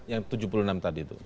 yang tujuh puluh enam tadi itu